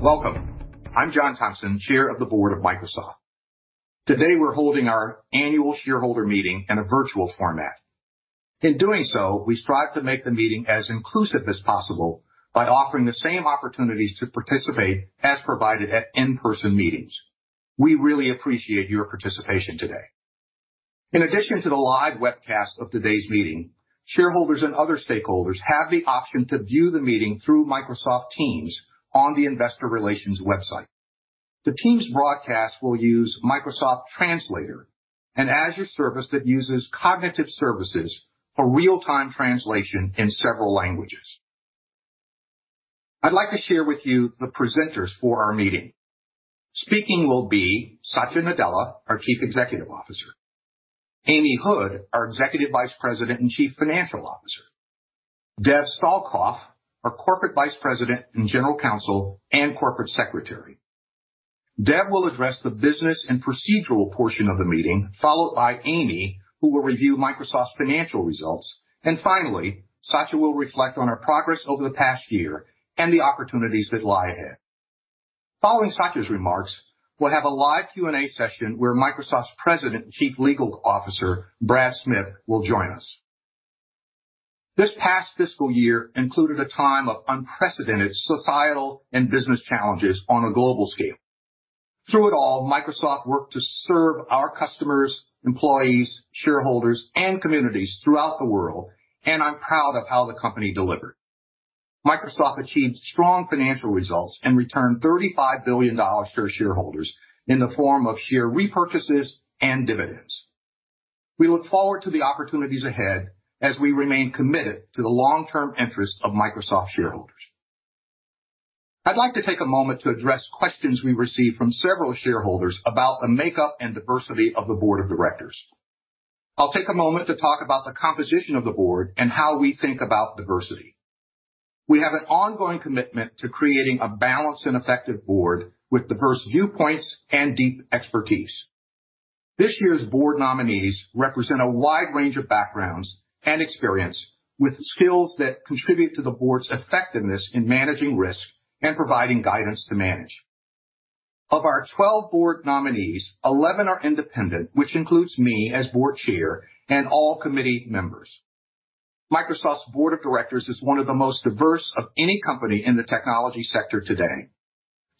Welcome. I'm John Thompson, Chair of the Board of Microsoft. Today we're holding our annual shareholder meeting in a virtual format. In doing so, we strive to make the meeting as inclusive as possible by offering the same opportunities to participate as provided at in-person meetings. We really appreciate your participation today. In addition to the live webcast of today's meeting, shareholders and other stakeholders have the option to view the meeting through Microsoft Teams on the Investor Relations website. The Teams broadcast will use Microsoft Translator, an Azure service that uses Cognitive Services for real-time translation in several languages. I'd like to share with you the presenters for our meeting. Speaking will be Satya Nadella, our Chief Executive Officer, Amy Hood, our Executive Vice President and Chief Financial Officer, Dev Stahlkopf, our Corporate Vice President and General Counsel and Corporate Secretary. Dev will address the business and procedural portion of the meeting, followed by Amy, who will review Microsoft's financial results. Finally, Satya will reflect on our progress over the past year and the opportunities that lie ahead. Following Satya's remarks, we'll have a live Q&A session where Microsoft's President and Chief Legal Officer, Brad Smith, will join us. This past fiscal year included a time of unprecedented societal and business challenges on a global scale. Through it all, Microsoft worked to serve our customers, employees, shareholders, and communities throughout the world, and I'm proud of how the company delivered. Microsoft achieved strong financial results and returned $35 billion to shareholders in the form of share repurchases and dividends. We look forward to the opportunities ahead as we remain committed to the long-term interests of Microsoft shareholders. I'd like to take a moment to address questions we received from several shareholders about the makeup and diversity of the Board of directors. I'll take a moment to talk about the composition of the Board and how we think about diversity. We have an ongoing commitment to creating a balanced and effective Board with diverse viewpoints and deep expertise. This year's Board nominees represent a wide range of backgrounds and experience with skills that contribute to the Board's effectiveness in managing risk and providing guidance to manage. Of our 12 Board nominees, 11 are independent, which includes me as Board chair and all committee members. Microsoft's Board of directors is one of the most diverse of any company in the technology sector today.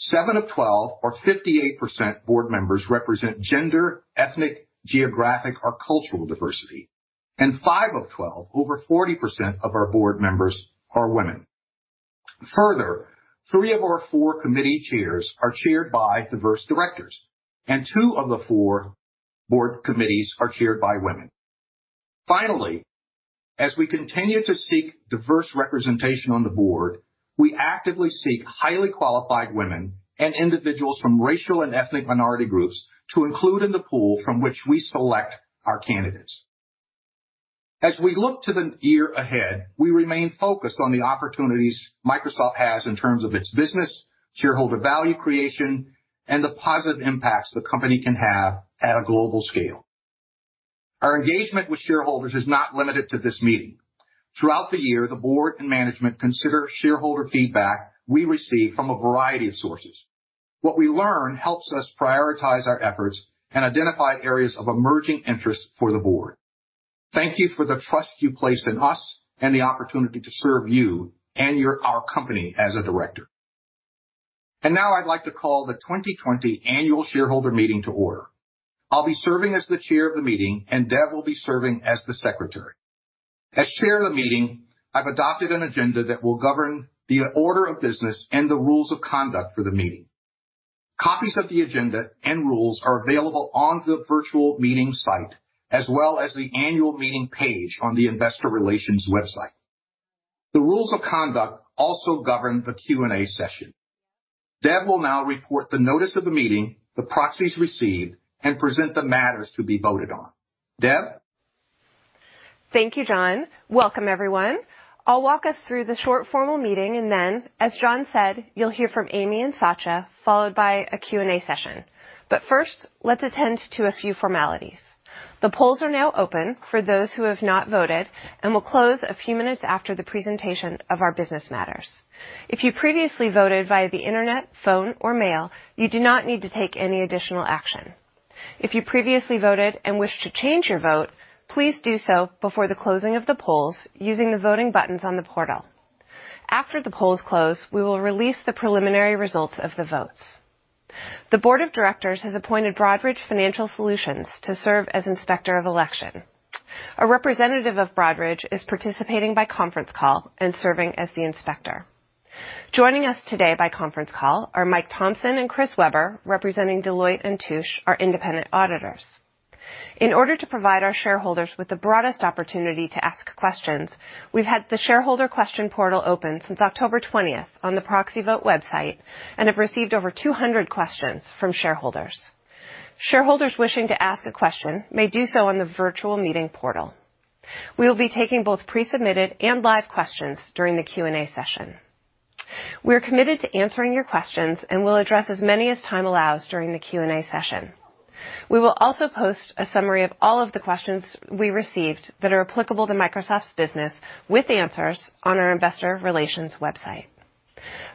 Seven of 12, or 58%, Board members represent gender, ethnic, geographic, or cultural diversity, and five of 12, over 40% of our Board members are women. Further, three of our four committee chairs are chaired by diverse directors, and two of the four Board committees are chaired by women. Finally, as we continue to seek diverse representation on the Board, we actively seek highly qualified women and individuals from racial and ethnic minority groups to include in the pool from which we select our candidates. As we look to the year ahead, we remain focused on the opportunities Microsoft has in terms of its business, shareholder value creation, and the positive impacts the company can have at a global scale. Our engagement with shareholders is not limited to this meeting. Throughout the year, the Board and management consider shareholder feedback we receive from a variety of sources. What we learn helps us prioritize our efforts and identify areas of emerging interest for the Board. Thank you for the trust you placed in us and the opportunity to serve you and our company as a director. Now I'd like to call the 2020 annual shareholder meeting to order. I'll be serving as the Chair of the meeting, and Dev will be serving as the Secretary. As Chair of the meeting, I've adopted an agenda that will govern the order of business and the rules of conduct for the meeting. Copies of the agenda and rules are available on the virtual meeting site, as well as the Annual Meeting page on the Investor Relations website. The rules of conduct also govern the Q&A session. Dev will now report the notice of the meeting, the proxies received, and present the matters to be voted on. Dev? Thank you, John. Welcome, everyone. I'll walk us through the short formal meeting, and then, as John said, you'll hear from Amy and Satya, followed by a Q&A session. First, let's attend to a few formalities. The polls are now open for those who have not voted and will close a few minutes after the presentation of our business matters. If you previously voted via the internet, phone, or mail, you do not need to take any additional action. If you previously voted and wish to change your vote, please do so before the closing of the polls using the voting buttons on the portal. After the polls close, we will release the preliminary results of the votes. The Board of Directors has appointed Broadridge Financial Solutions to serve as inspector of election. A representative of Broadridge is participating by conference call and serving as the Inspector. Joining us today by conference call are Mike Thompson and Chris Webber, representing Deloitte & Touche, our independent auditors. In order to provide our shareholders with the broadest opportunity to ask questions, we've had the shareholder question portal open since October 20th on the proxy vote website and have received over 200 questions from shareholders. Shareholders wishing to ask a question may do so on the virtual meeting portal. We will be taking both pre-submitted and live questions during the Q&A session. We are committed to answering your questions and will address as many as time allows during the Q&A session. We will also post a summary of all of the questions we received that are applicable to Microsoft's business, with answers on our Investor Relations website.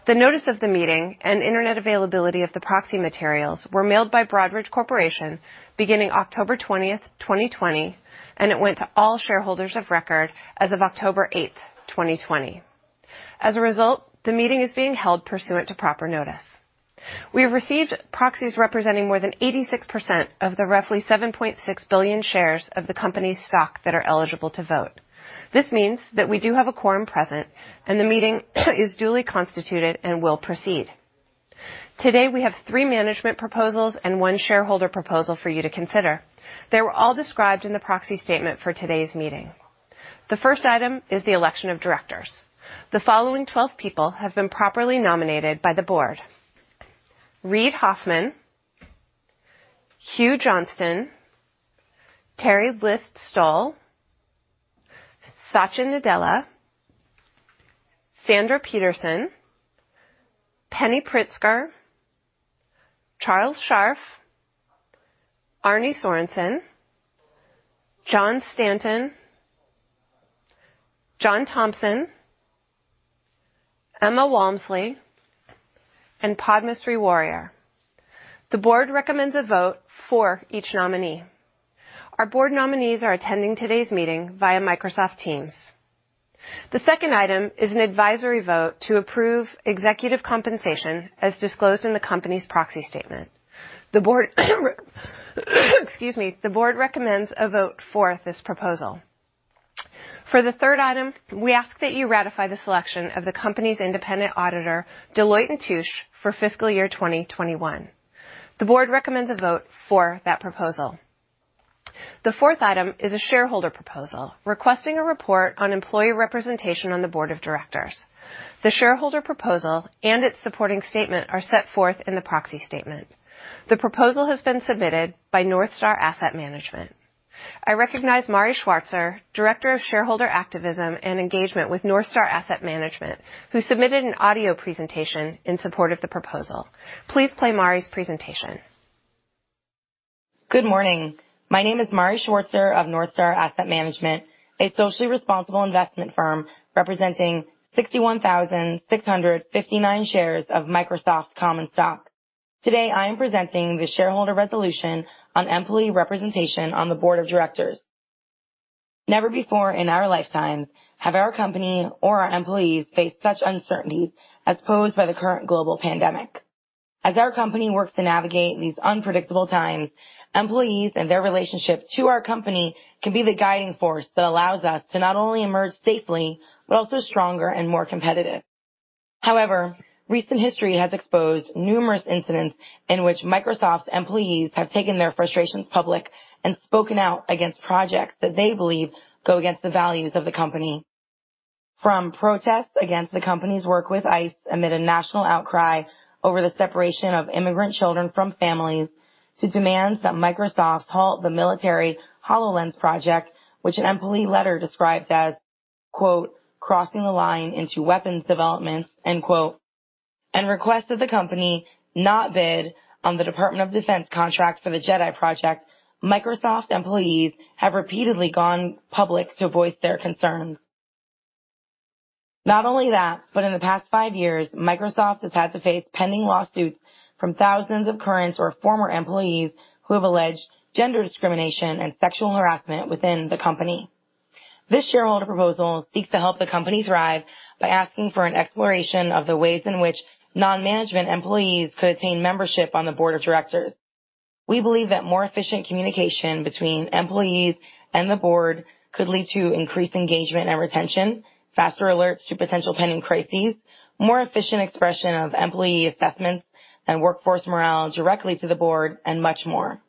The notice of the meeting and internet availability of the proxy materials were mailed by Broadridge Corporation beginning October 20th, 2020, and it went to all shareholders of record as of October 8th, 2020. As a result, the meeting is being held pursuant to proper notice. We have received proxies representing more than 86% of the roughly 7.6 billion shares of the company's stock that are eligible to vote. This means that we do have a quorum present, and the meeting is duly constituted and will proceed. Today, we have three management proposals and one shareholder proposal for you to consider. They were all described in the proxy statement for today's meeting. The first item is the election of Directors. The following 12 people have been properly nominated by the Board. Reid Hoffman, Hugh Johnston, Teri List-Stoll, Satya Nadella, Sandra Peterson, Penny Pritzker, Charles Scharf, Arne Sorenson, John Stanton, John Thompson, Emma Walmsley, and Padmasree Warrior. The Board recommends a vote for each nominee. Our Board nominees are attending today's meeting via Microsoft Teams. The second item is an advisory vote to approve executive compensation as disclosed in the company's proxy statement. The Board, Excuse me. The Board recommends a vote for this proposal. For the third item, we ask that you ratify the selection of the company's independent auditor, Deloitte & Touche, for fiscal year 2021. The Board recommends a vote for that proposal. The fourth item is a shareholder proposal requesting a report on employee representation on the Board of Directors. The shareholder proposal and its supporting statement are set forth in the proxy statement. The proposal has been submitted by NorthStar Asset Management. I recognize Mari Schwartzer, Director of Shareholder Activism and Engagement with NorthStar Asset Management, who submitted an audio presentation in support of the proposal. Please play Mari's presentation. Good morning. My name is Mari Schwartzer of NorthStar Asset Management, a socially responsible investment firm representing 61,659 shares of Microsoft common stock. Today, I am presenting the shareholder resolution on employee representation on the Board of Directors. Never before in our lifetime have our company or our employees faced such uncertainties as posed by the current global pandemic. As our company works to navigate these unpredictable times, employees and their relationship to our company can be the guiding force that allows us to not only emerge safely, but also stronger and more competitive. However, recent history has exposed numerous incidents in which Microsoft employees have taken their frustrations public and spoken out against projects that they believe go against the values of the company. From protests against the company's work with ICE amid a national outcry over the separation of immigrant children from families, to demands that Microsoft halt the military HoloLens project, which an employee letter described as, quote, "crossing the line into weapons development," end quote, and requests that the company not bid on the Department of Defense contract for the JEDI project, Microsoft employees have repeatedly gone public to voice their concerns. Not only that, but in the past five years, Microsoft has had to face pending lawsuits from thousands of current or former employees who have alleged gender discrimination and sexual harassment within the company. This shareholder proposal seeks to help the company thrive by asking for an exploration of the ways in which non-management employees could attain membership on the Board of Directors. We believe that more efficient communication between employees and the Board could lead to increased engagement and retention, faster alerts to potential pending crises, more efficient expression of employee assessments, and workforce morale directly to the Board, and much more.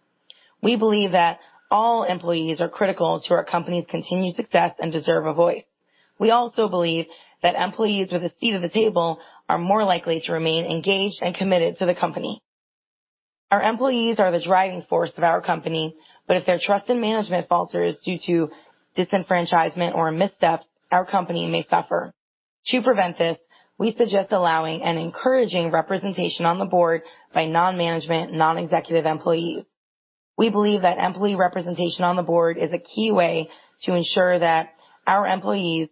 We believe that all employees are critical to our company's continued success and deserve a voice. We also believe that employees with a seat at the table are more likely to remain engaged and committed to the company. Our employees are the driving force of our company, but if their trust in management falters due to disenfranchisement or missteps, our company may suffer. To prevent this, we suggest allowing and encouraging representation on the Board by non-management, non-executive employees. We believe that employee representation on the Board is a key way to ensure that our employees,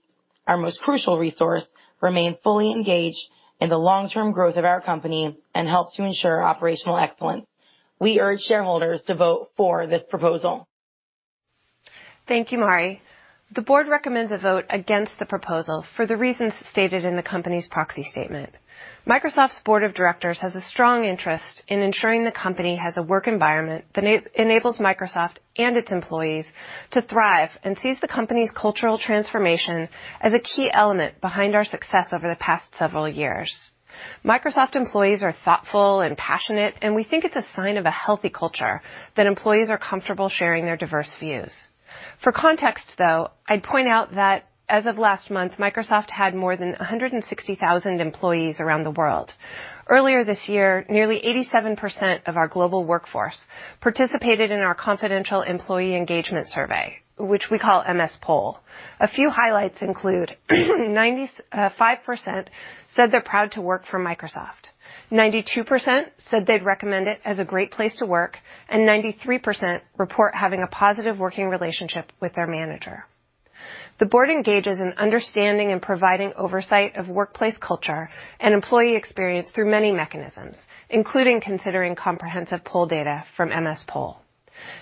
our most crucial resource, remain fully engaged in the long-term growth of our company and helps to ensure operational excellence. We urge shareholders to vote for this proposal. Thank you, Mari. The Board recommends a vote against the proposal for the reasons stated in the company's proxy statement. Microsoft's Board of Directors has a strong interest in ensuring the company has a work environment that enables Microsoft and its employees to thrive and sees the company's cultural transformation as a key element behind our success over the past several years. Microsoft employees are thoughtful and passionate, and we think it's a sign of a healthy culture that employees are comfortable sharing their diverse views. For context, though, I'd point out that as of last month, Microsoft had more than 160,000 employees around the world. Earlier this year, nearly 87% of our global workforce participated in our confidential employee engagement survey, which we call MS Poll. A few highlights include 95% said they're proud to work for Microsoft, 92% said they'd recommend it as a great place to work, and 93% report having a positive working relationship with their manager. The Board engages in understanding and providing oversight of workplace culture and employee experience through many mechanisms, including considering comprehensive poll data from MS Poll.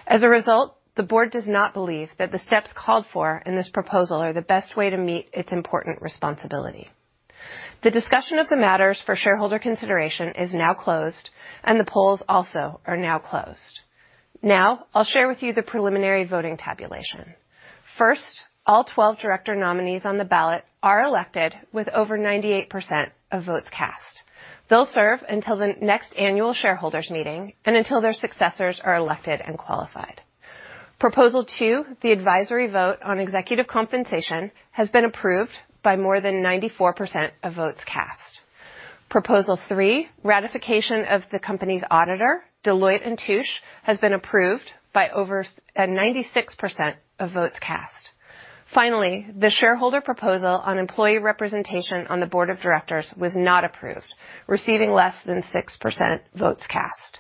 As a result, the Board does not believe that the steps called for in this proposal are the best way to meet its important responsibility. The discussion of the matters for shareholder consideration is now closed, and the polls also are now closed. Now, I'll share with you the preliminary voting tabulation. First, all 12 Director nominees on the ballot are elected with over 98% of votes cast. They'll serve until the next Annual Shareholders Meeting and until their successors are elected and qualified. Proposal two, the advisory vote on executive compensation, has been approved by more than 94% of votes cast. Proposal three, ratification of the company's auditor, Deloitte & Touche, has been approved by over 96% of votes cast. Finally, the shareholder proposal on employee representation on the Board of Directors was not approved, receiving less than 6% votes cast.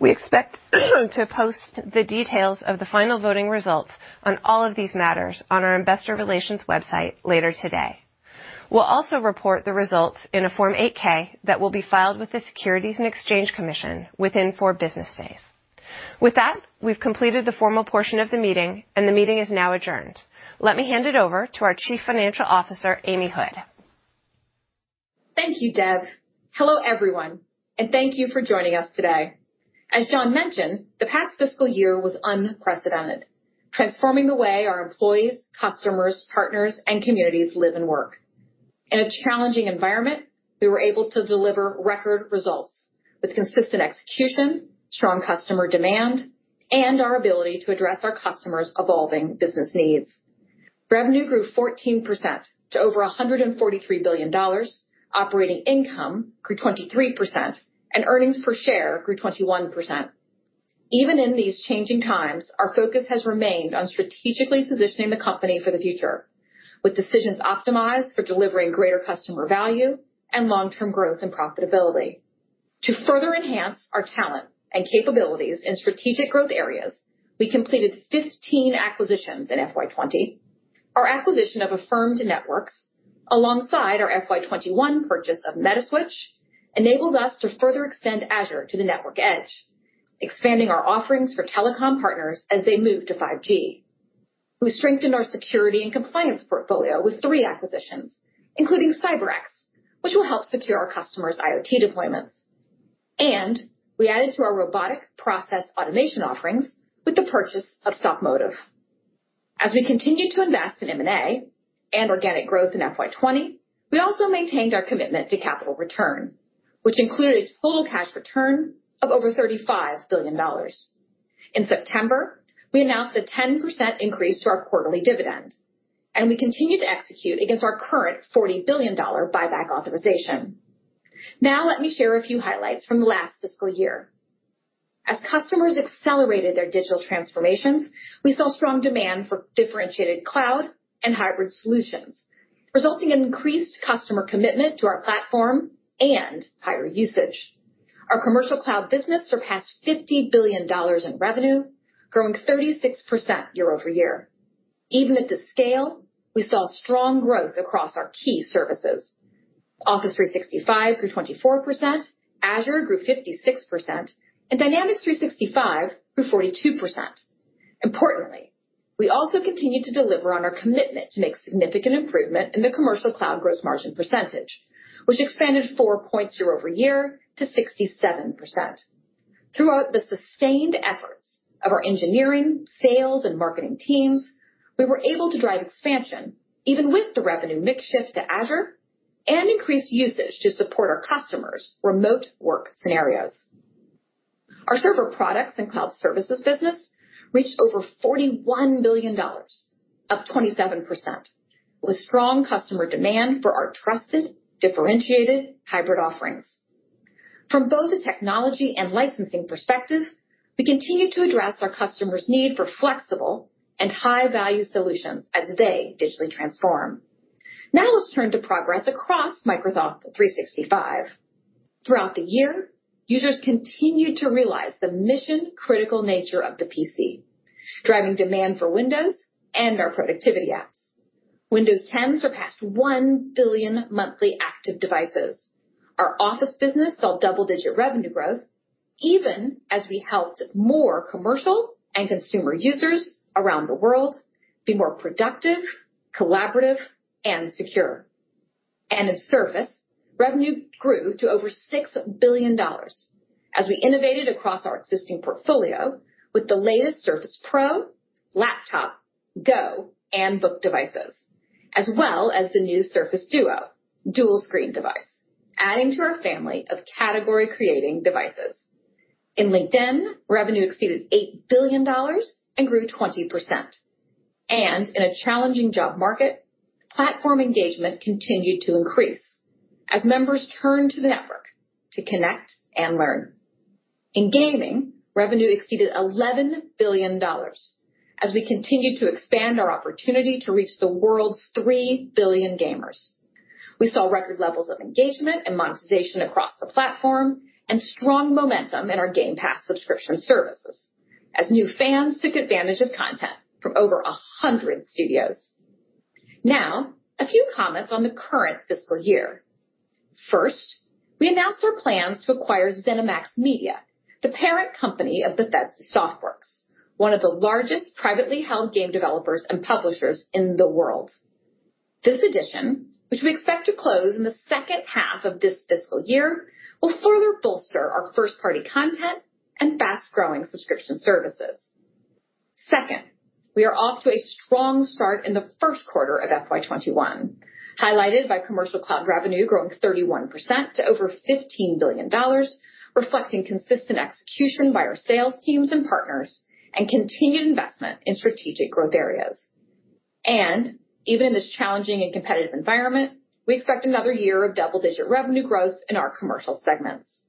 We expect to post the details of the final voting results on all of these matters on our Investor Relations website later today. We'll also report the results in a Form 8-K that will be filed with the Securities and Exchange Commission within four business days. With that, we've completed the formal portion of the meeting, and the meeting is now adjourned. Let me hand it over to our Chief Financial Officer, Amy Hood. Thank you, Dev. Hello, everyone, and thank you for joining us today. As John mentioned, the past fiscal year was unprecedented, transforming the way our employees, customers, partners, and communities live and work. In a challenging environment, we were able to deliver record results with consistent execution, strong customer demand, and our ability to address our customers' evolving business needs. Revenue grew 14% to over $143 billion, operating income grew 23%, and earnings per share grew 21%. Even in these changing times, our focus has remained on strategically positioning the company for the future with decisions optimized for delivering greater customer value and long-term growth and profitability. To further enhance our talent and capabilities in strategic growth areas, we completed 15 acquisitions in FY 2020. Our acquisition of Affirmed Networks, alongside our FY 2021 purchase of Metaswitch, enables us to further extend Azure to the network edge, expanding our offerings for telecom partners as they move to 5G. We strengthened our security and compliance portfolio with three acquisitions, including CyberX, which will help secure our customers' IoT deployments. We added to our robotic process automation offerings with the purchase of Softomotive. As we continued to invest in M&A and organic growth in FY 2020, we also maintained our commitment to capital return, which included a total cash return of over $35 billion. In September, we announced a 10% increase to our quarterly dividend, and we continue to execute against our current $40 billion buyback authorization. Now, let me share a few highlights from the last fiscal year. As customers accelerated their digital transformations, we saw strong demand for differentiated cloud and hybrid solutions, resulting in increased customer commitment to our platform and higher usage. Our commercial cloud business surpassed $50 billion in revenue, growing 36% year-over-year. Even at this scale, we saw strong growth across our key services. Office 365 grew 24%, Azure grew 56%, and Dynamics 365 grew 42%. Importantly, we also continued to deliver on our commitment to make significant improvement in the commercial cloud gross margin percentage, which expanded four points year-over-year to 67%. Throughout the sustained efforts of our engineering, sales, and marketing teams, we were able to drive expansion even with the revenue mix shift to Azure and increased usage to support our customers' remote work scenarios. Our server products and cloud services business reached over $41 billion, up 27%, with strong customer demand for our trusted, differentiated hybrid offerings. From both a technology and licensing perspective, we continue to address our customers' need for flexible and high-value solutions as they digitally transform. Let's turn to progress across Microsoft 365. Throughout the year, users continued to realize the mission-critical nature of the PC, driving demand for Windows and our productivity apps. Windows 10 surpassed 1 billion monthly active devices. Our Office business saw double-digit revenue growth even as we helped more commercial and consumer users around the world be more productive, collaborative, and secure. In Surface, revenue grew to over $6 billion as we innovated across our existing portfolio with the latest Surface Pro, Laptop, Go, and Book devices, as well as the new Surface Duo dual-screen device, adding to our family of category-creating devices. In LinkedIn, revenue exceeded $8 billion and grew 20%. In a challenging job market, platform engagement continued to increase as members turned to the network to connect and learn. In gaming, revenue exceeded $11 billion as we continued to expand our opportunity to reach the world's 3 billion gamers. We saw record levels of engagement and monetization across the platform and strong momentum in our Game Pass subscription services as new fans took advantage of content from over 100 studios. A few comments on the current fiscal year. First, we announced our plans to acquire ZeniMax Media, the parent company of Bethesda Softworks, one of the largest privately held game developers and publishers in the world. This addition, which we expect to close in the second half of this fiscal year, will further bolster our first-party content and fast-growing subscription services. Second, we are off to a strong start in the first quarter of FY 2021, highlighted by commercial cloud revenue growing 31% to over $15 billion, reflecting consistent execution by our sales teams and partners and continued investment in strategic growth areas. Even in this challenging and competitive environment, we expect another year of double-digit revenue growth in our commercial segments.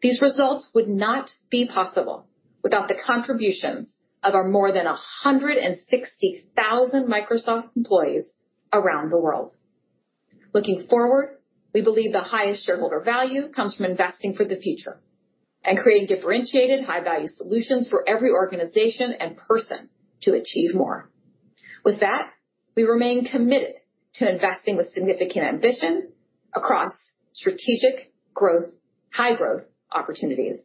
These results would not be possible without the contributions of our more than 160,000 Microsoft employees around the world. Looking forward, we believe the highest shareholder value comes from investing for the future and creating differentiated, high-value solutions for every organization and person to achieve more. With that, we remain committed to investing with significant ambition across strategic high-growth opportunities.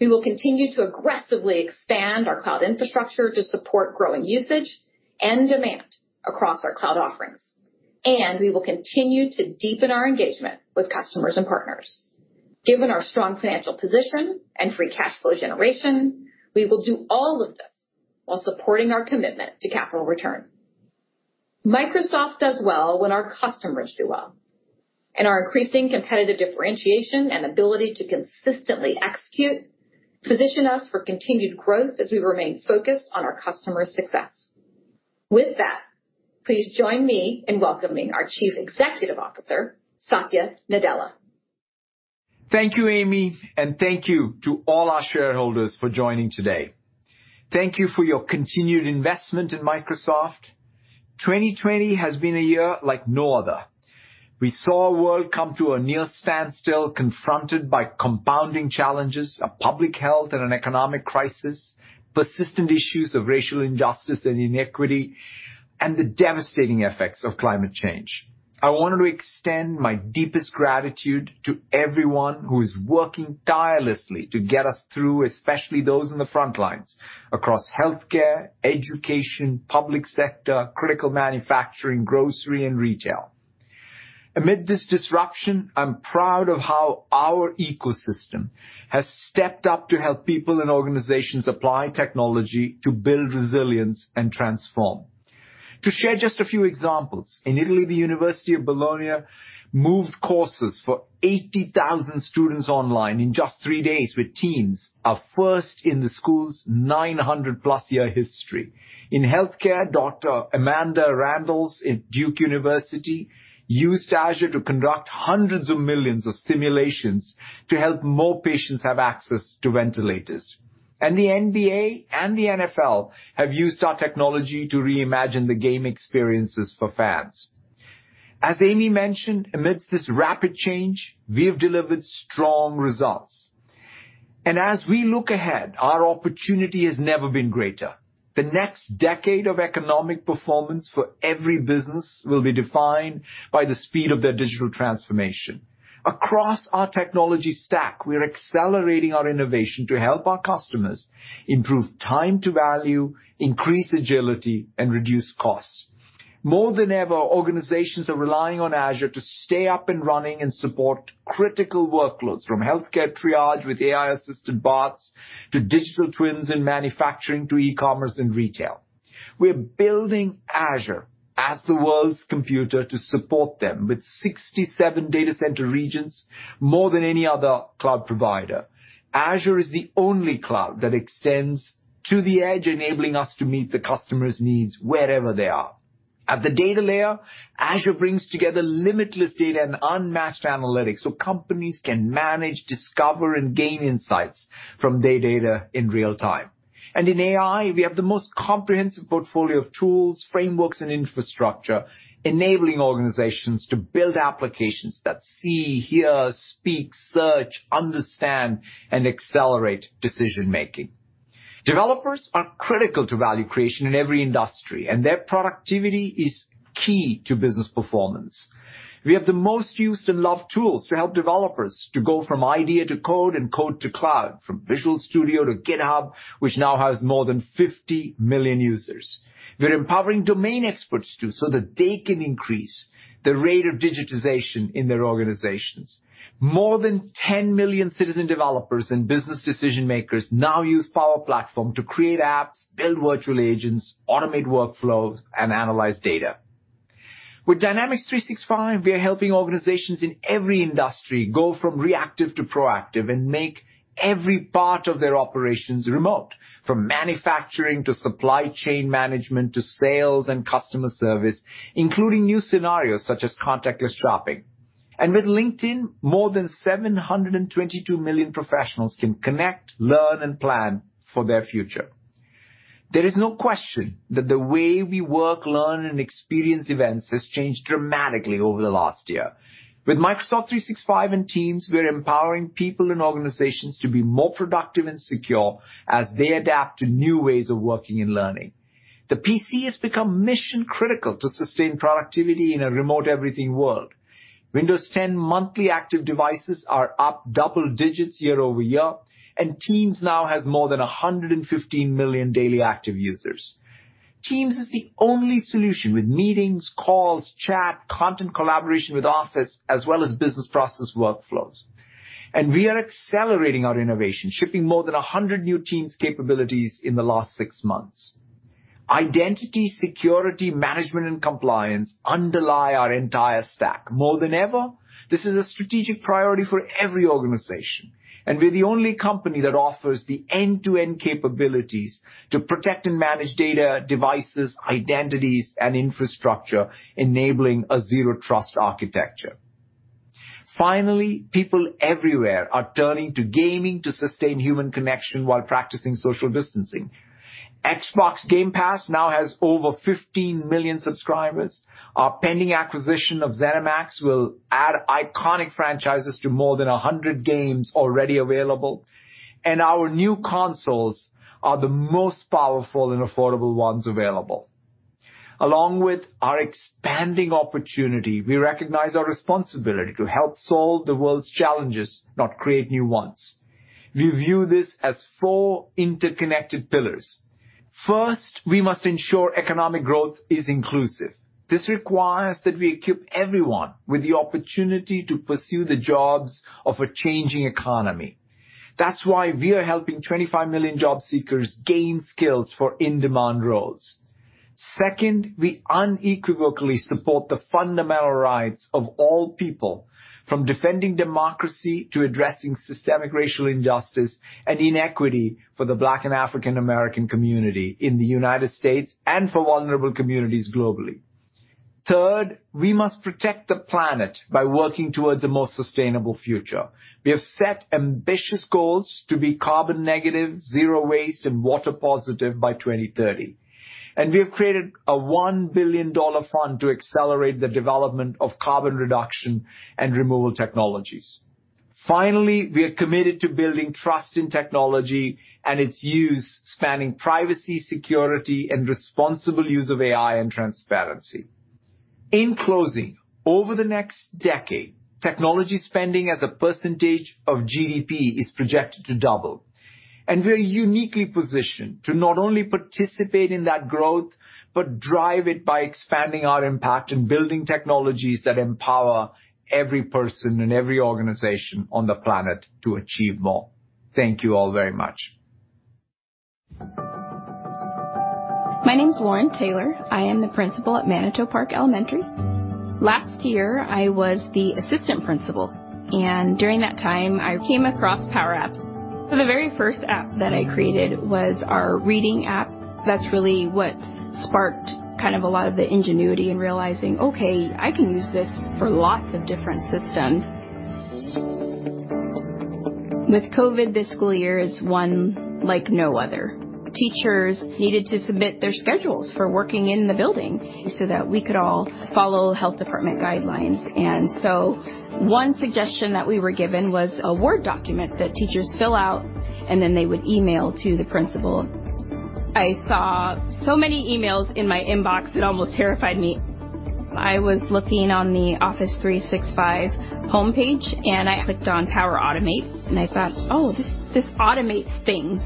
We will continue to aggressively expand our cloud infrastructure to support growing usage and demand across our cloud offerings, and we will continue to deepen our engagement with customers and partners. Given our strong financial position and free cash flow generation, we will do all of this while supporting our commitment to capital return. Microsoft does well when our customers do well, and our increasing competitive differentiation and ability to consistently execute position us for continued growth as we remain focused on our customers' success. With that, please join me in welcoming our Chief Executive Officer, Satya Nadella. Thank you, Amy, and thank you to all our shareholders for joining today. Thank you for your continued investment in Microsoft. 2020 has been a year like no other. We saw a world come to a near standstill, confronted by compounding challenges of public health and an economic crisis, persistent issues of racial injustice and inequity, and the devastating effects of climate change. I wanted to extend my deepest gratitude to everyone who is working tirelessly to get us through, especially those on the front lines across healthcare, education, public sector, critical manufacturing, grocery, and retail. Amid this disruption, I'm proud of how our ecosystem has stepped up to help people and organizations apply technology to build resilience and transform. To share just a few examples, in Italy, the University of Bologna moved courses for 80,000 students online in just three days with Teams, a first in the school's 900+ year history. In healthcare, Dr. Amanda Randles in Duke University used Azure to conduct hundreds of millions of simulations to help more patients have access to ventilators. The NBA and the NFL have used our technology to reimagine the game experiences for fans. As Amy mentioned, amidst this rapid change, we have delivered strong results. As we look ahead, our opportunity has never been greater. The next decade of economic performance for every business will be defined by the speed of their digital transformation. Across our technology stack, we're accelerating our innovation to help our customers improve time to value, increase agility, and reduce costs. More than ever, organizations are relying on Azure to stay up and running and support critical workloads from healthcare triage with AI-assisted bots to digital twins in manufacturing to e-commerce and retail. We're building Azure as the world's computer to support them with 67 data center regions, more than any other cloud provider. Azure is the only cloud that extends to the edge, enabling us to meet the customer's needs wherever they are. At the data layer, Azure brings together limitless data and unmatched analytics so companies can manage, discover, and gain insights from their data in real time. In AI, we have the most comprehensive portfolio of tools, frameworks, and infrastructure, enabling organizations to build applications that see, hear, speak, search, understand, and accelerate decision-making. Developers are critical to value creation in every industry, and their productivity is key to business performance. We have the most used and loved tools to help developers to go from idea to code and code to cloud, from Visual Studio to GitHub, which now has more than 50 million users. We're empowering domain experts, too, so that they can increase the rate of digitization in their organizations. More than 10 million citizen developers and business decision-makers now use Power Platform to create apps, build virtual agents, automate workflows, and analyze data. With Dynamics 365, we are helping organizations in every industry go from reactive to proactive and make every part of their operations remote, from manufacturing to supply chain management to sales and customer service, including new scenarios such as contactless shopping. With LinkedIn, more than 722 million professionals can connect, learn, and plan for their future. There is no question that the way we work, learn, and experience events has changed dramatically over the last year. With Microsoft 365 and Teams, we're empowering people and organizations to be more productive and secure as they adapt to new ways of working and learning. The PC has become mission critical to sustain productivity in a remote everything world. Windows 10 monthly active devices are up double digits year-over-year, and Teams now has more than 115 million daily active users. Teams is the only solution with meetings, calls, chat, content collaboration with Office, as well as business process workflows. We are accelerating our innovation, shipping more than 100 new Teams capabilities in the last six months. Identity, security, management, and compliance underlie our entire stack. More than ever, this is a strategic priority for every organization. We're the only company that offers the end-to-end capabilities to protect and manage data, devices, identities, and infrastructure, enabling a Zero Trust architecture. Finally, people everywhere are turning to gaming to sustain human connection while practicing social distancing. Xbox Game Pass now has over 15 million subscribers. Our pending acquisition of ZeniMax will add iconic franchises to more than 100 games already available. Our new consoles are the most powerful and affordable ones available. Along with our expanding opportunity, we recognize our responsibility to help solve the world's challenges, not create new ones. We view this as four interconnected pillars. First, we must ensure economic growth is inclusive. This requires that we equip everyone with the opportunity to pursue the jobs of a changing economy. That's why we are helping 25 million job seekers gain skills for in-demand roles. Second, we unequivocally support the fundamental rights of all people, from defending democracy to addressing systemic racial injustice and inequity for the Black and African American community in the United States and for vulnerable communities globally. Third, we must protect the planet by working towards a more sustainable future. We have set ambitious goals to be carbon negative, zero waste, and water positive by 2030, and we have created a $1 billion fund to accelerate the development of carbon reduction and removal technologies. Finally, we are committed to building trust in technology and its use, spanning privacy, security, and responsible use of AI and transparency. In closing, over the next decade, technology spending as a percentage of GDP is projected to double. We're uniquely positioned to not only participate in that growth, but drive it by expanding our impact and building technologies that empower every person and every organization on the planet to achieve more. Thank you all very much. My name's Lauren Taylor. I am the Principal at Manitou Park Elementary. Last year, I was the Assistant Principal, and during that time, I came across Power Apps. The very first app that I created was our reading app. That's really what sparked kind of a lot of the ingenuity and realizing, okay, I can use this for lots of different systems. With COVID, this school year is one like no other. Teachers needed to submit their schedules for working in the building so that we could all follow health department guidelines. One suggestion that we were given was a Word document that teachers fill out, and then they would email to the principal. I saw so many emails in my inbox, it almost terrified me. I was looking on the Office 365 homepage, and I clicked on Power Automate, and I thought, "Oh, this automates things."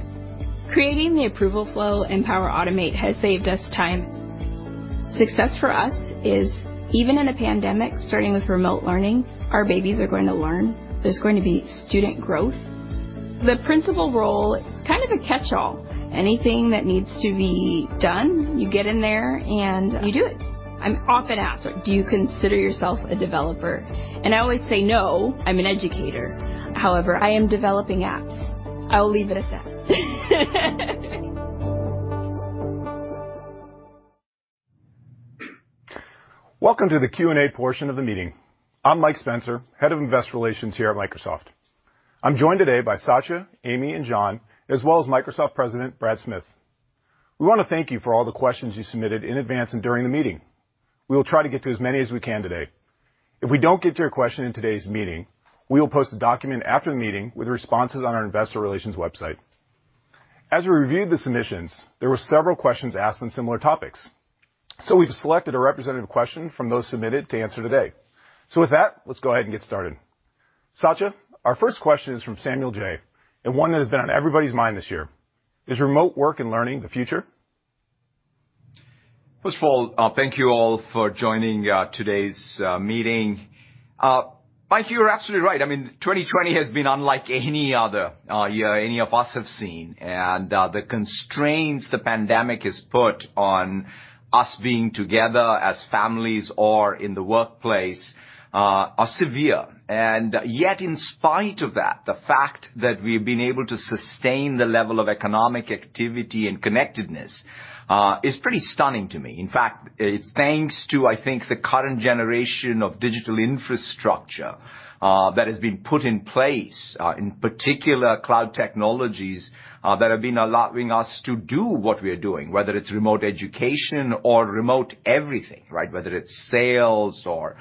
Creating the approval flow in Power Automate has saved us time. Success for us is even in a pandemic, starting with remote learning, our babies are going to learn. There's going to be student growth. The principal role, it's kind of a catchall. Anything that needs to be done, you get in there and you do it. I'm often asked, "Do you consider yourself a developer?" I always say, "No, I'm an educator. However, I am developing apps." I will leave it at that. Welcome to the Q&A portion of the meeting. I'm Mike Spencer, Head of Investor Relations here at Microsoft. I'm joined today by Satya, Amy, and John, as well as Microsoft President, Brad Smith. We want to thank you for all the questions you submitted in advance and during the meeting. We will try to get to as many as we can today. If we don't get to your question in today's meeting, we will post a document after the meeting with responses on our Investor Relations website. As we reviewed the submissions, there were several questions asked on similar topics, so we've selected a representative question from those submitted to answer today. With that, let's go ahead and get started. Satya, our first question is from Samuel J. and one that has been on everybody's mind this year. Is remote work and learning the future? First of all, thank you all for joining today's meeting. Mike, you are absolutely right. 2020 has been unlike any other year any of us have seen, the constraints the pandemic has put on us being together as families or in the workplace are severe. Yet, in spite of that, the fact that we've been able to sustain the level of economic activity and connectedness is pretty stunning to me. In fact, it's thanks to, I think, the current generation of digital infrastructure that has been put in place, in particular cloud technologies that have been allowing us to do what we're doing, whether it's remote education or remote everything, right? Whether it's sales or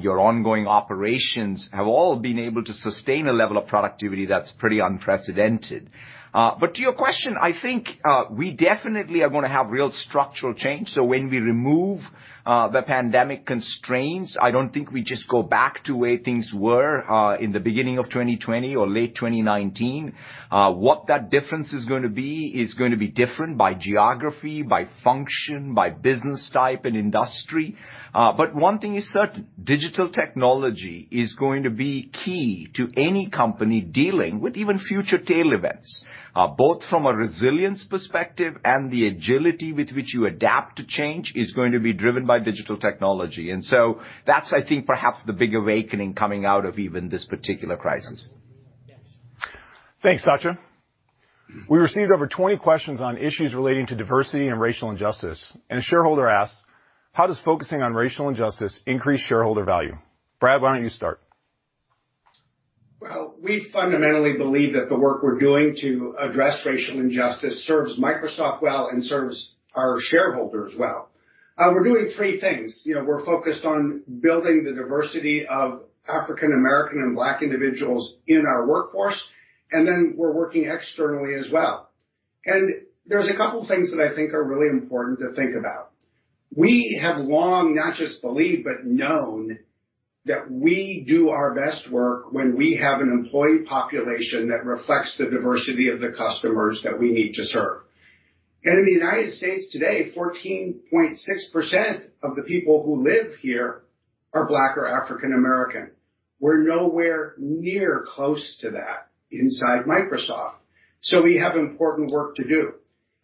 your ongoing operations, have all been able to sustain a level of productivity that's pretty unprecedented. To your question, I think we definitely are going to have real structural change. When we remove the pandemic constraints, I don't think we just go back to where things were in the beginning of 2020 or late 2019. What that difference is going to be is going to be different by geography, by function, by business type and industry. One thing is certain, digital technology is going to be key to any company dealing with even future tail events, both from a resilience perspective and the agility with which you adapt to change is going to be driven by digital technology. That's, I think, perhaps the big awakening coming out of even this particular crisis. Thanks, Satya. We received over 20 questions on issues relating to diversity and racial injustice. A shareholder asked, "How does focusing on racial injustice increase shareholder value?" Brad, why don't you start? Well, we fundamentally believe that the work we're doing to address racial injustice serves Microsoft well and serves our shareholders well. We're doing three things. We're focused on building the diversity of African American and Black individuals in our workforce. Then we're working externally as well. There's a couple things that I think are really important to think about. We have long not just believed, but known, that we do our best work when we have an employee population that reflects the diversity of the customers that we need to serve. In the United States today, 14.6% of the people who live here are Black or African American. We're nowhere near close to that inside Microsoft. We have important work to do,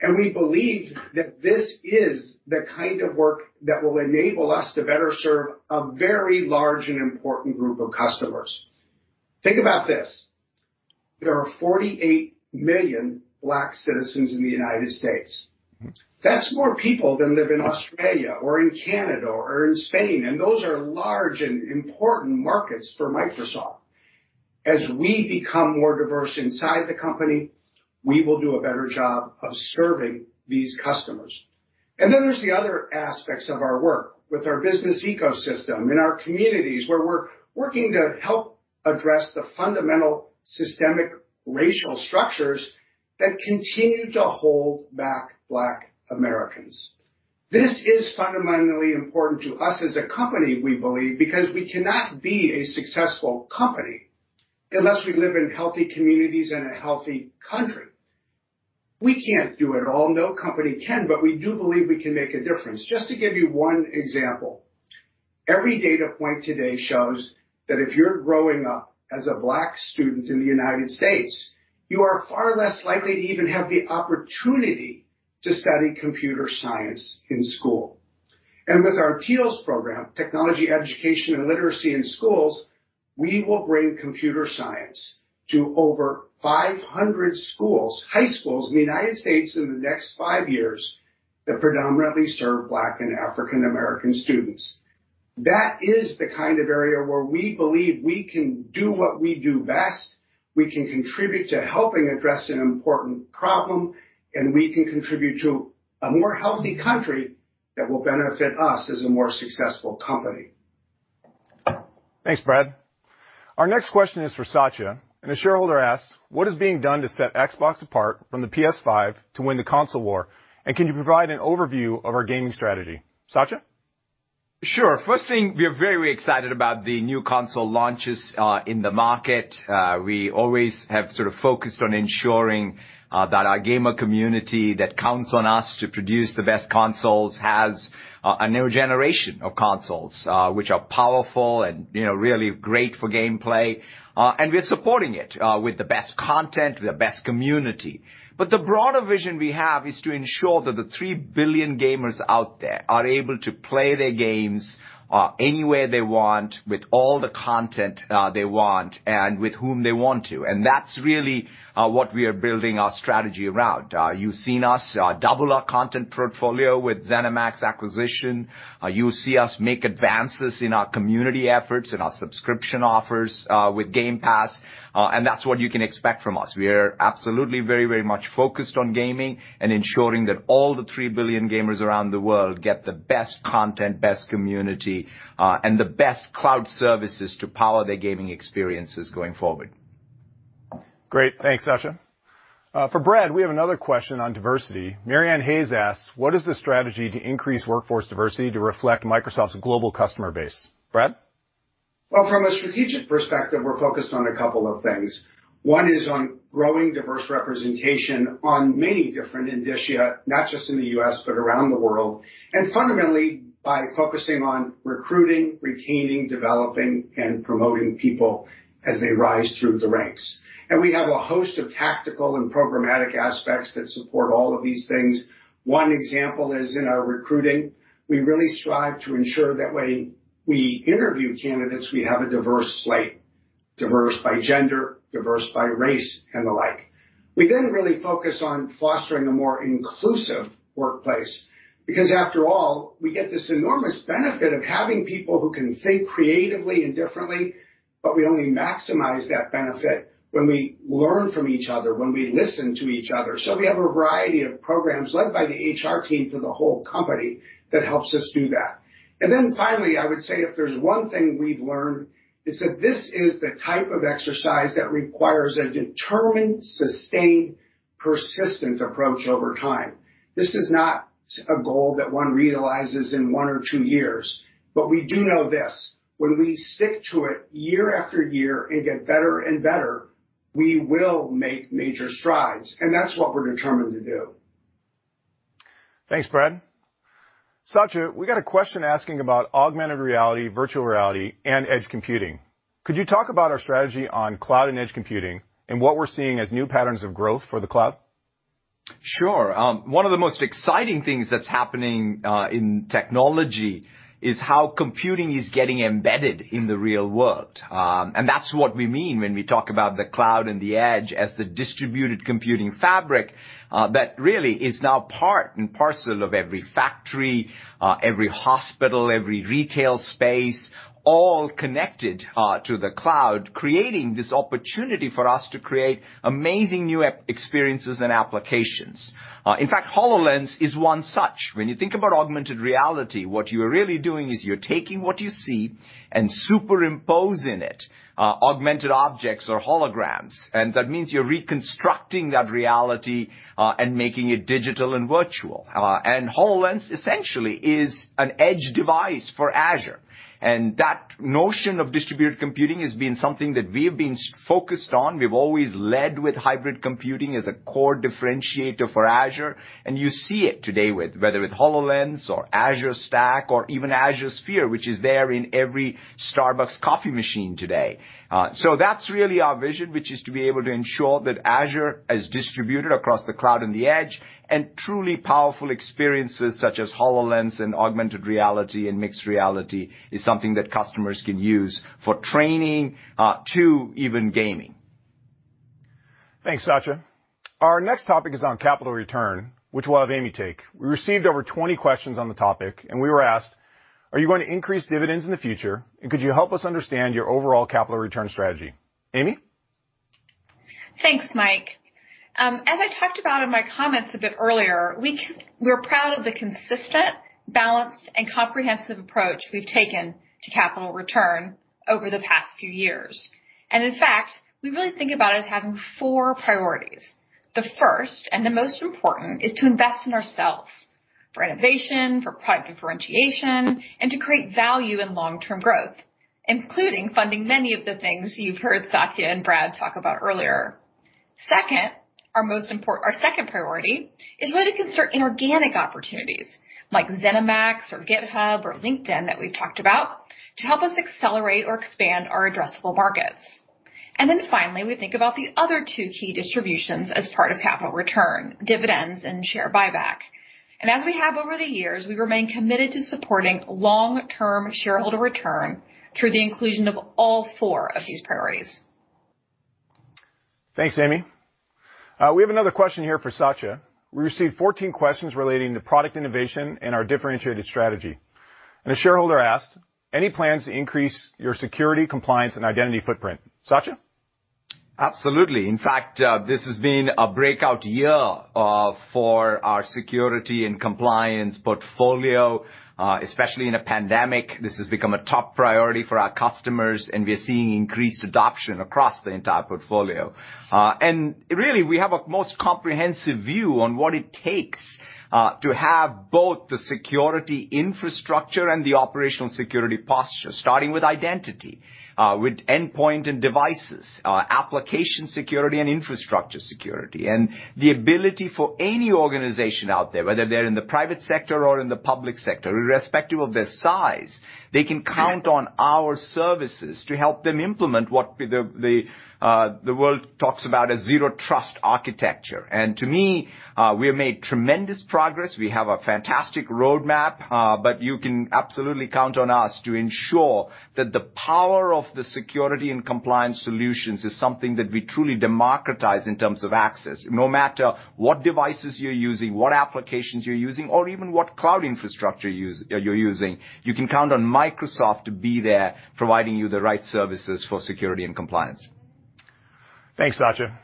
and we believe that this is the kind of work that will enable us to better serve a very large and important group of customers. Think about this. There are 48 million Black citizens in the United States. That's more people than live in Australia or in Canada or in Spain, and those are large and important markets for Microsoft. As we become more diverse inside the company, we will do a better job of serving these customers. Then there's the other aspects of our work with our business ecosystem, in our communities, where we're working to help address the fundamental systemic racial structures that continue to hold back Black Americans. This is fundamentally important to us as a company, we believe, because we cannot be a successful company unless we live in healthy communities and a healthy country. We can't do it all. No company can, but we do believe we can make a difference. Just to give you one example, every data point today shows that if you're growing up as a Black student in the U.S., you are far less likely to even have the opportunity to study computer science in school. With our TEALS program, Technology Education and Literacy in Schools, we will bring computer science to over 500 schools, high schools in the United States in the next five years that predominantly serve Black and African American students. That is the kind of area where we believe we can do what we do best. We can contribute to helping address an important problem, and we can contribute to a more healthy country that will benefit us as a more successful company. Thanks, Brad. Our next question is for Satya, and a shareholder asks, "What is being done to set Xbox apart from the PS5 to win the console war, and can you provide an overview of our gaming strategy?" Satya? Sure. First thing, we are very excited about the new console launches in the market. We always have sort of focused on ensuring that our gamer community that counts on us to produce the best consoles has a new generation of consoles, which are powerful and really great for gameplay. We're supporting it with the best content, the best community. The broader vision we have is to ensure that the 3 billion gamers out there are able to play their games anywhere they want, with all the content they want, and with whom they want to. That's really what we are building our strategy around. You've seen us double our content portfolio with ZeniMax acquisition. You see us make advances in our community efforts and our subscription offers with Game Pass, and that's what you can expect from us. We are absolutely very much focused on gaming and ensuring that all the 3 billion gamers around the world get the best content, best community, and the best cloud services to power their gaming experiences going forward. Great. Thanks, Satya. For Brad, we have another question on diversity. Marianne Hayes asks, "What is the strategy to increase workforce diversity to reflect Microsoft's global customer base?" Brad? Well, from a strategic perspective, we're focused on a couple of things. One is on growing diverse representation on many different indicia, not just in the U.S., but around the world, and fundamentally by focusing on recruiting, retaining, developing, and promoting people as they rise through the ranks. We have a host of tactical and programmatic aspects that support all of these things. One example is in our recruiting. We really strive to ensure that when we interview candidates, we have a diverse slate. Diverse by gender, diverse by race, and the like. We then really focus on fostering a more inclusive workplace because after all, we get this enormous benefit of having people who can think creatively and differently, but we only maximize that benefit when we learn from each other, when we listen to each other. We have a variety of programs led by the HR team for the whole company that helps us do that. Finally, I would say if there's one thing we've learned, it's that this is the type of exercise that requires a determined, sustained, persistent approach over time. This is not a goal that one realizes in one or two years, but we do know this, when we stick to it year after year and get better and better, we will make major strides, and that's what we're determined to do. Thanks, Brad. Satya, we got a question asking about augmented reality, virtual reality, and edge computing. Could you talk about our strategy on cloud and edge computing and what we're seeing as new patterns of growth for the cloud? Sure. One of the most exciting things that's happening in technology is how computing is getting embedded in the real world. That's what we mean when we talk about the cloud and the edge as the distributed computing fabric that really is now part and parcel of every factory, every hospital, every retail space, all connected to the cloud, creating this opportunity for us to create amazing new experiences and applications. In fact, HoloLens is one such. When you think about augmented reality, what you are really doing is you're taking what you see and superimposing it, augmented objects or holograms, and that means you're reconstructing that reality and making it digital and virtual. HoloLens essentially is an edge device for Azure, and that notion of distributed computing has been something that we have been focused on. We've always led with hybrid computing as a core differentiator for Azure, and you see it today whether with HoloLens or Azure Stack or even Azure Sphere, which is there in every Starbucks coffee machine today. That's really our vision, which is to be able to ensure that Azure is distributed across the cloud and the edge and truly powerful experiences such as HoloLens and augmented reality and mixed reality is something that customers can use for training to even gaming. Thanks, Satya. Our next topic is on capital return, which we'll have Amy take. We received over 20 questions on the topic. We were asked, "Are you going to increase dividends in the future? And could you help us understand your overall capital return strategy?" Amy? Thanks, Mike. As I talked about in my comments a bit earlier, we're proud of the consistent, balanced, and comprehensive approach we've taken to capital return over the past few years. In fact, we really think about it as having four priorities. The first and the most important is to invest in ourselves for innovation, for product differentiation, and to create value and long-term growth, including funding many of the things you've heard Satya and Brad talk about earlier. Second, our second priority is really to consider inorganic opportunities like ZeniMax or GitHub or LinkedIn that we've talked about to help us accelerate or expand our addressable markets. Then finally, we think about the other two key distributions as part of capital return, dividends and share buyback. As we have over the years, we remain committed to supporting long-term shareholder return through the inclusion of all four of these priorities. Thanks, Amy. We have another question here for Satya. We received 14 questions relating to product innovation and our differentiated strategy. A shareholder asked, "Any plans to increase your security, compliance, and identity footprint?" Satya? Absolutely. In fact, this has been a breakout year for our security and compliance portfolio. Especially in a pandemic, this has become a top priority for our customers, and we are seeing increased adoption across the entire portfolio. Really, we have a most comprehensive view on what it takes to have both the security infrastructure and the operational security posture, starting with identity, with endpoint and devices, application security, and infrastructure security. The ability for any organization out there, whether they're in the private sector or in the public sector, irrespective of their size, they can count on our services to help them implement what the world talks about as Zero Trust architecture. To me, we have made tremendous progress. We have a fantastic roadmap, but you can absolutely count on us to ensure that the power of the security and compliance solutions is something that we truly democratize in terms of access. No matter what devices you're using, what applications you're using, or even what cloud infrastructure you're using, you can count on Microsoft to be there providing you the right services for security and compliance. Thanks, Satya.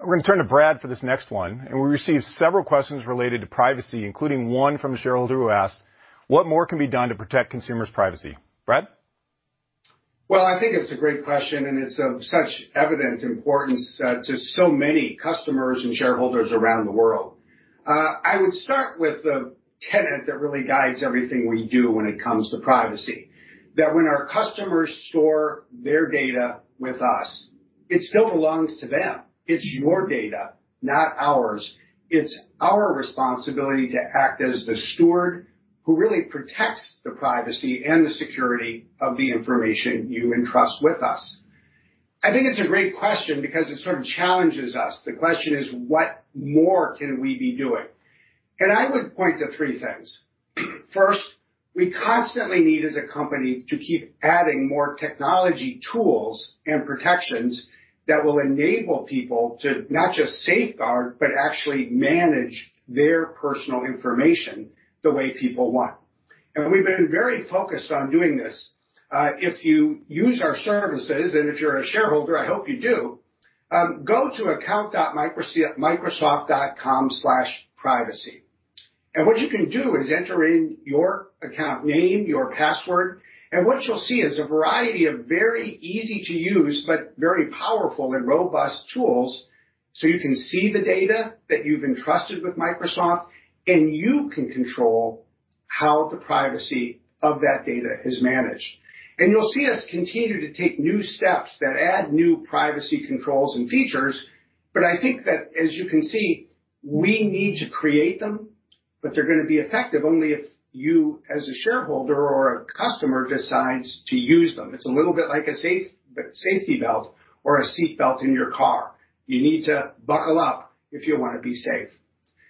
We're going to turn to Brad for this next one. We received several questions related to privacy, including one from a shareholder who asked, "What more can be done to protect consumers' privacy?" Brad? Well, I think it's a great question. It's of such evident importance to so many customers and shareholders around the world. I would start with the tenet that really guides everything we do when it comes to privacy, that when our customers store their data with us, it still belongs to them. It's your data, not ours. It's our responsibility to act as the steward who really protects the privacy and the security of the information you entrust with us. I think it's a great question because it sort of challenges us. The question is, what more can we be doing? I would point to three things. First, we constantly need as a company to keep adding more technology tools and protections that will enable people to not just safeguard, but actually manage their personal information the way people want. We've been very focused on doing this. If you use our services and if you're a shareholder, I hope you do, go to account.microsoft.com/privacy. What you can do is enter in your account name, your password, and what you'll see is a variety of very easy-to-use but very powerful and robust tools so you can see the data that you've entrusted with Microsoft, and you can control how the privacy of that data is managed. You'll see us continue to take new steps that add new privacy controls and features, but I think that, as you can see, we need to create them, but they're going to be effective only if you as a shareholder or a customer decides to use them. It's a little bit like a safety belt or a seat belt in your car. You need to buckle up if you want to be safe.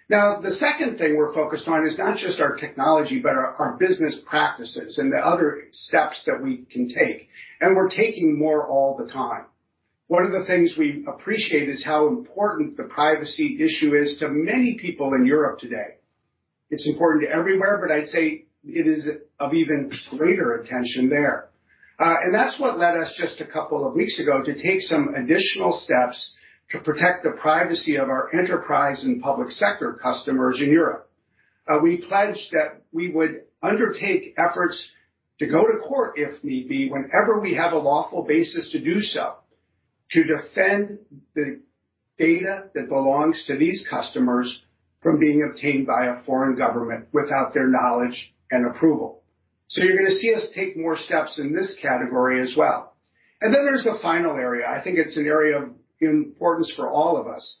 The second thing we're focused on is not just our technology, but our business practices and the other steps that we can take. We're taking more all the time. One of the things we appreciate is how important the privacy issue is to many people in Europe today. It's important everywhere, but I'd say it is of even greater attention there. That's what led us just a couple of weeks ago to take some additional steps to protect the privacy of our enterprise and public sector customers in Europe. We pledged that we would undertake efforts to go to court if need be, whenever we have a lawful basis to do so, to defend the data that belongs to these customers from being obtained by a foreign government without their knowledge and approval. You're going to see us take more steps in this category as well. There's the final area. I think it's an area of importance for all of us.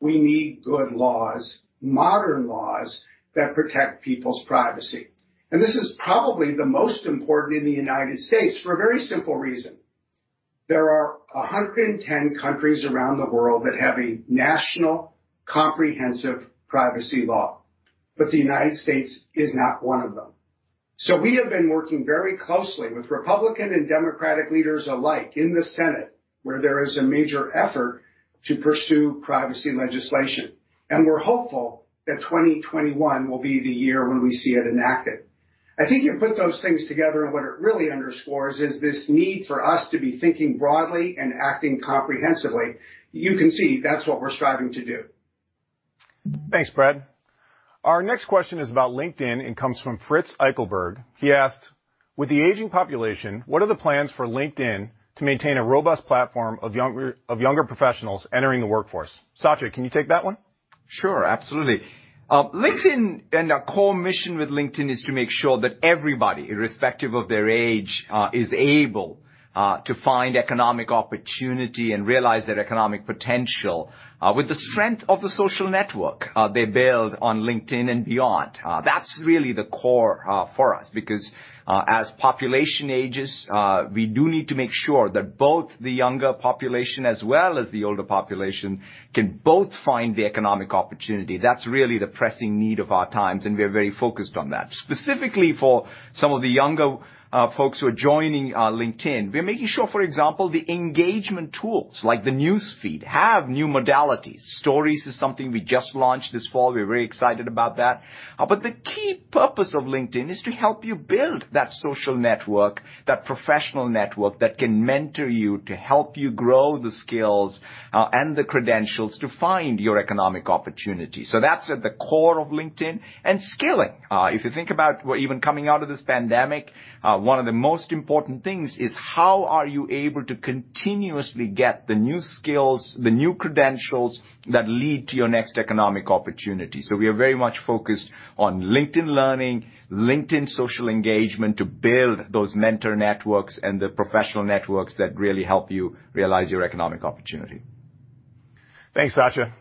We need good laws, modern laws that protect people's privacy. This is probably the most important in the United States for a very simple reason. There are 110 countries around the world that have a national comprehensive privacy law, but the United States is not one of them. We have been working very closely with Republican and Democratic leaders alike in the Senate, where there is a major effort to pursue privacy legislation, and we're hopeful that 2021 will be the year when we see it enacted. I think you put those things together and what it really underscores is this need for us to be thinking broadly and acting comprehensively. You can see that's what we're striving to do. Thanks, Brad. Our next question is about LinkedIn and comes from Fritz Eichelberg. He asked, "With the aging population, what are the plans for LinkedIn to maintain a robust platform of younger professionals entering the workforce?" Satya, can you take that one? Sure, absolutely. LinkedIn and our core mission with LinkedIn is to make sure that everybody, irrespective of their age, is able to find economic opportunity and realize their economic potential with the strength of the social network they build on LinkedIn and beyond. That's really the core for us because as population ages, we do need to make sure that both the younger population as well as the older population can both find the economic opportunity. That's really the pressing need of our times, and we are very focused on that. Specifically for some of the younger folks who are joining LinkedIn, we are making sure, for example, the engagement tools like the newsfeed have new modalities. Stories is something we just launched this fall. We're very excited about that. The key purpose of LinkedIn is to help you build that social network, that professional network that can mentor you to help you grow the skills and the credentials to find your economic opportunity. That's at the core of LinkedIn. Skilling. If you think about even coming out of this pandemic, one of the most important things is how are you able to continuously get the new skills, the new credentials that lead to your next economic opportunity? We are very much focused on LinkedIn Learning, LinkedIn social engagement to build those mentor networks and the professional networks that really help you realize your economic opportunity. Thanks, Satya.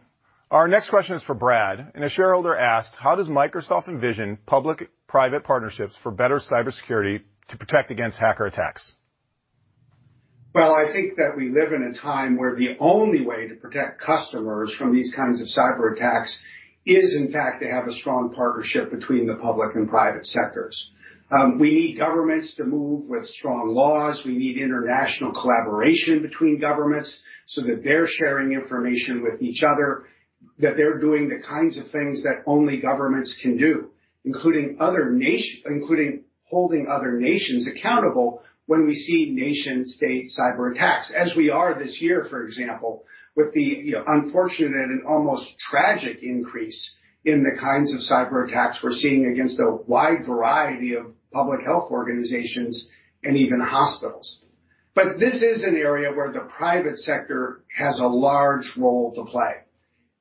Our next question is for Brad, and a shareholder asked, "How does Microsoft envision public-private partnerships for better cybersecurity to protect against hacker attacks? Well, I think that we live in a time where the only way to protect customers from these kinds of cyber attacks is, in fact, to have a strong partnership between the public and private sectors. We need governments to move with strong laws. We need international collaboration between governments so that they're sharing information with each other, that they're doing the kinds of things that only governments can do, including holding other nations accountable when we see nation-state cyber attacks, as we are this year, for example, with the unfortunate and almost tragic increase in the kinds of cyber attacks we're seeing against a wide variety of public health organizations and even hospitals. This is an area where the private sector has a large role to play.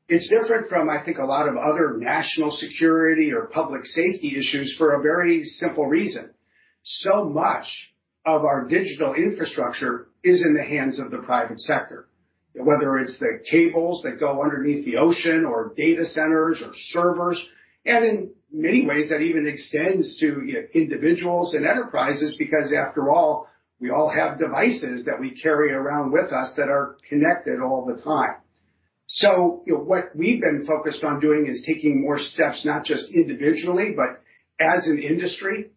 It's different from, I think, a lot of other national security or public safety issues for a very simple reason. So much of our digital infrastructure is in the hands of the private sector, whether it's the cables that go underneath the ocean or data centers or servers. In many ways, that even extends to individuals and enterprises because after all, we all have devices that we carry around with us that are connected all the time. What we've been focused on doing is taking more steps, not just individually, but as an industry,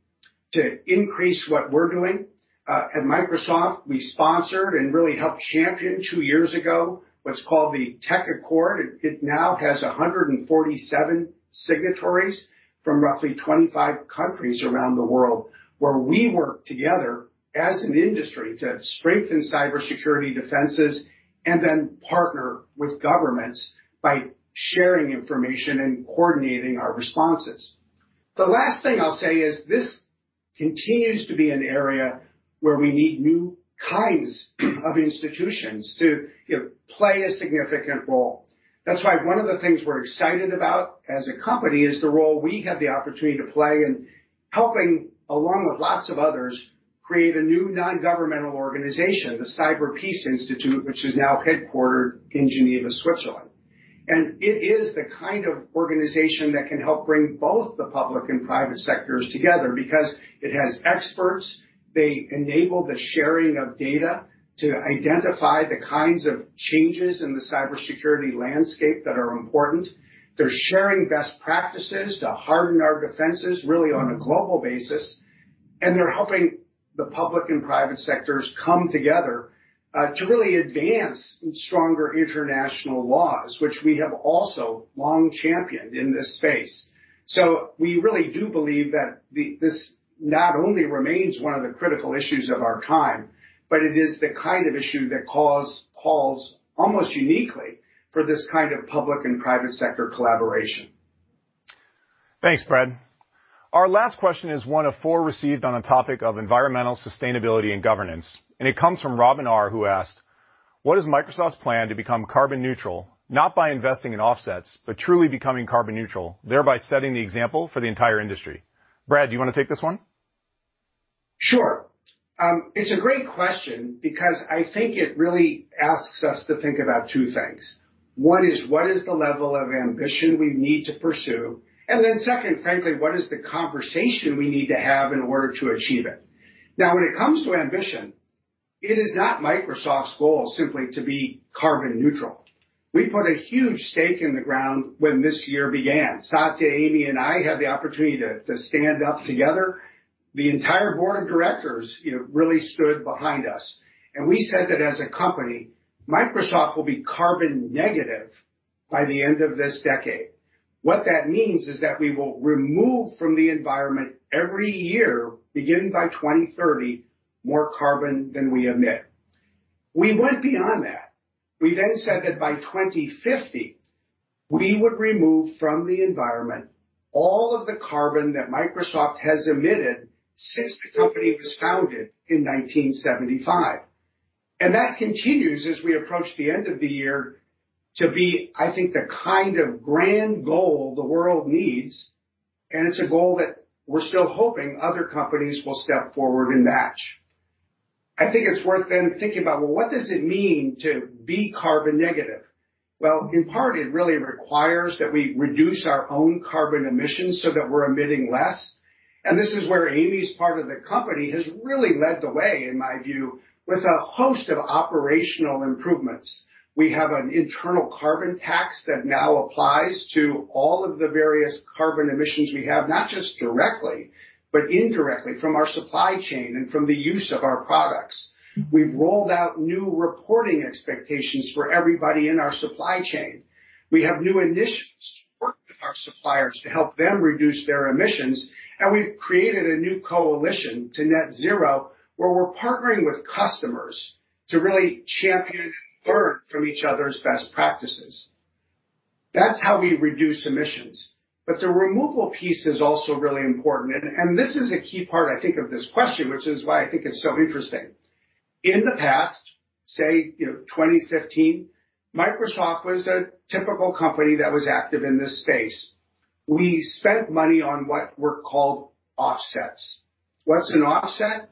to increase what we're doing. At Microsoft, we sponsored and really helped champion two years ago what's called the Tech Accord. It now has 147 signatories from roughly 25 countries around the world, where we work together as an industry to strengthen cybersecurity defenses, and then partner with governments by sharing information and coordinating our responses. The last thing I'll say is this continues to be an area where we need new kinds of institutions to play a significant role. That's why one of the things we're excited about as a company is the role we have the opportunity to play in helping, along with lots of others, create a new non-governmental organization, the CyberPeace Institute, which is now headquartered in Geneva, Switzerland. It is the kind of organization that can help bring both the public and private sectors together because it has experts, they enable the sharing of data to identify the kinds of changes in the cybersecurity landscape that are important. They're sharing best practices to harden our defenses, really on a global basis, and they're helping the public and private sectors come together to really advance stronger international laws, which we have also long championed in this space. We really do believe that this not only remains one of the critical issues of our time, but it is the kind of issue that calls, almost uniquely, for this kind of public and private sector collaboration. Thanks, Brad. Our last question is one of four received on the topic of environmental sustainability and governance, and it comes from Robin R, who asked, "What is Microsoft's plan to become carbon neutral, not by investing in offsets, but truly becoming carbon neutral, thereby setting the example for the entire industry?" Brad, do you want to take this one? Sure. It's a great question because I think it really asks us to think about two things. One is, what is the level of ambition we need to pursue? Second, frankly, what is the conversation we need to have in order to achieve it? Now, when it comes to ambition, it is not Microsoft's goal simply to be carbon neutral. We put a huge stake in the ground when this year began. Satya, Amy, and I had the opportunity to stand up together. The entire Board of directors really stood behind us, and we said that as a company, Microsoft will be carbon negative by the end of this decade. What that means is that we will remove from the environment every year, beginning by 2030, more carbon than we emit. We went beyond that. We said that by 2050, we would remove from the environment all of the carbon that Microsoft has emitted since the company was founded in 1975. That continues as we approach the end of the year to be, I think, the kind of grand goal the world needs, and it's a goal that we're still hoping other companies will step forward and match. I think it's worth then thinking about, well, what does it mean to be carbon negative? Well, in part, it really requires that we reduce our own carbon emissions so that we're emitting less, and this is where Amy's part of the company has really led the way, in my view, with a host of operational improvements. We have an internal carbon tax that now applies to all of the various carbon emissions we have, not just directly, but indirectly from our supply chain and from the use of our products. We've rolled out new reporting expectations for everybody in our supply chain. We have new initiatives to work with our suppliers to help them reduce their emissions. We've created a new coalition to net zero, where we're partnering with customers to really champion and learn from each other's best practices. That's how we reduce emissions. The removal piece is also really important, and this is a key part, I think, of this question, which is why I think it's so interesting. In the past, say 2015, Microsoft was a typical company that was active in this space. We spent money on what were called offsets. What's an offset?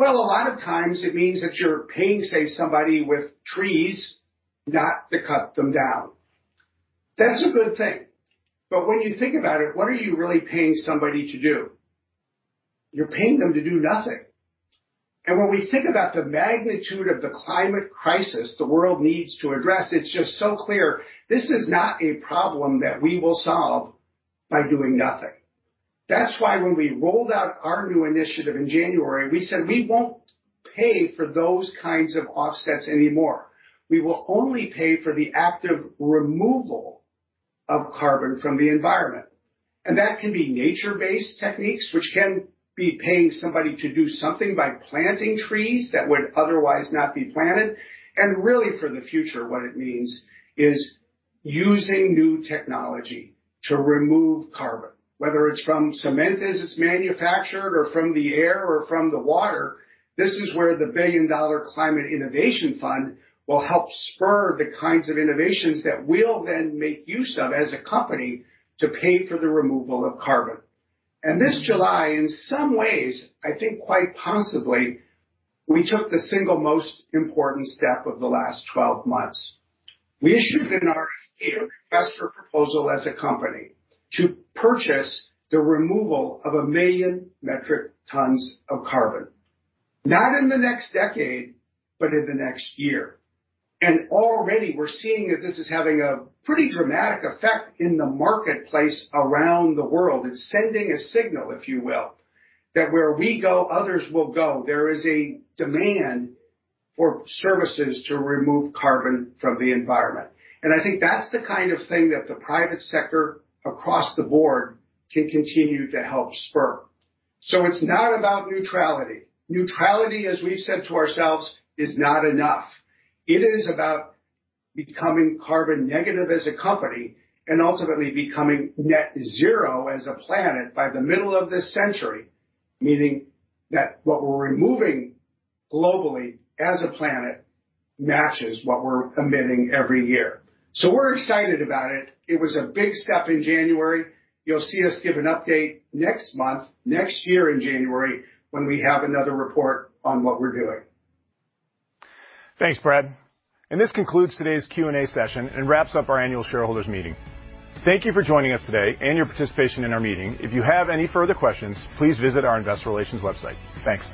Well, a lot of times it means that you're paying, say, somebody with trees, not to cut them down. That's a good thing. When you think about it, what are you really paying somebody to do? You're paying them to do nothing. When we think about the magnitude of the climate crisis the world needs to address, it's just so clear this is not a problem that we will solve by doing nothing. That's why when we rolled out our new initiative in January, we said we won't pay for those kinds of offsets anymore. We will only pay for the active removal of carbon from the environment. That can be nature-based techniques, which can be paying somebody to do something by planting trees that would otherwise not be planted. Really for the future, what it means is using new technology to remove carbon, whether it's from cement as it's manufactured or from the air or from the water. This is where the billion-dollar Climate Innovation Fund will help spur the kinds of innovations that we'll then make use of as a company to pay for the removal of carbon. This July, in some ways, I think quite possibly, we took the single most important step of the last 12 months. We issued an RFP or request for proposal as a company to purchase the removal of a million metric tons of carbon, not in the next decade, but in the next year. Already we're seeing that this is having a pretty dramatic effect in the marketplace around the world. It's sending a signal, if you will, that where we go, others will go. There is a demand for services to remove carbon from the environment. I think that's the kind of thing that the private sector across the board can continue to help spur. It's not about neutrality. Neutrality, as we've said to ourselves, is not enough. It is about becoming carbon negative as a company and ultimately becoming net zero as a planet by the middle of this century, meaning that what we're removing globally as a planet matches what we're emitting every year. We're excited about it. It was a big step in January. You'll see us give an update next year in January, when we have another report on what we're doing. Thanks, Brad. This concludes today's Q&A session and wraps up our annual shareholders meeting. Thank you for joining us today and your participation in our meeting. If you have any further questions, please visit our Investor Relations website. Thanks.